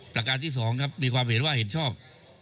ประการที่๒ครับมีความเห็นว่าเห็นชอบ